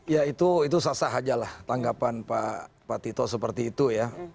ya itu sah sah aja lah tanggapan pak tito seperti itu ya